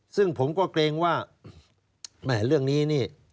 ซึ่งผมก็เกรงว่าแหมเรื่องนี้นี่